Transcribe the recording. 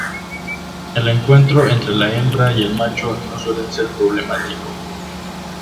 El encuentro entre la hembra y el macho no suele ser problemático.